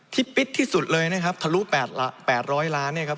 ปิดที่สุดเลยนะครับทะลุ๘๐๐ล้านเนี่ยครับ